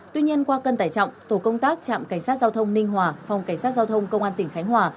tuy nhiên qua cân tải trọng tổ công tác trạm cảnh sát giao thông ninh hòa phòng cảnh sát giao thông công an tỉnh khánh hòa